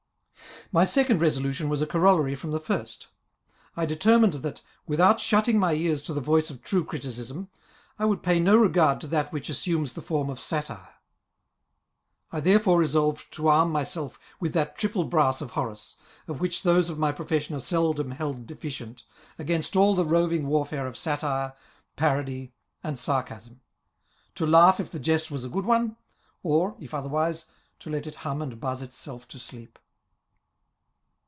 My second resolution was a corollary from the first. 1 determined that, without shutting nty ears to the voice of true criticism, I would pay no regard to that which assumes the form of satire. I therefore resolved to arm myself with that triple brass of Horace, of which those of my profession are seldom held deficient, against all the roving warfare of satire, parody, and sarcasm ; to laugh if the jest was a good one, or, if otherwise, to let it hum and buzz itself to sleep.